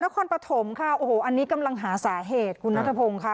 คอปฐมค่ะโอ้โหอันนี้กำลังหาสาเหตุคุณนัทพงศ์ค่ะ